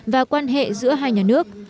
và quan hệ giữa hai nhà nước